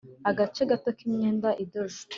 Agace gato kimyenda idoze